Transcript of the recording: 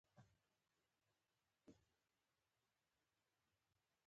افغان شاعران خورا ښایسته او زړه راښکونکي شعرونه لیکي